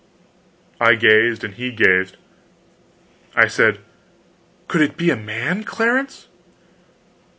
I gazed and he gazed. I said: "Could it be a man, Clarence?"